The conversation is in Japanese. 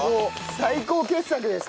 最高傑作です